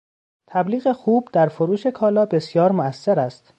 تبلیغ خوب در فروش کالا بسیار موثر است.